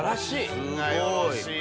素晴らしい。